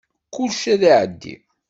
Kulci ad iεeddi.